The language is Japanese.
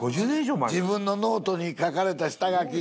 自分のノートに書かれた下書き。